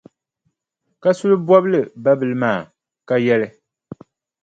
Kasuli bɔbili babila maa, ka yɛli,